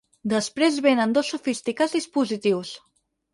Després venen dos sofisticats dispositius.